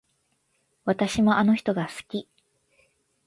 私もあの人が好き